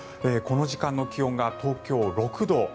この時間の気温が東京、６度。